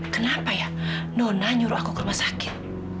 kenapa ya nona nyuruh aku ke rumah sakit